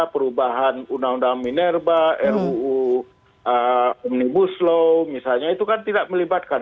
perubahan undang undang minerba ruu omnibus law misalnya itu kan tidak melibatkan